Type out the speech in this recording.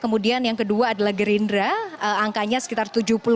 kemudian yang kedua adalah gerindra angkanya sekitar tujuh puluh lima